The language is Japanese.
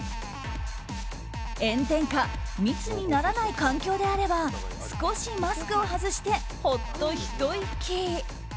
炎天下密にならない環境であれば少しマスクを外してほっとひと息。